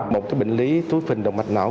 một cái bệnh lý túi phình đồng mạch não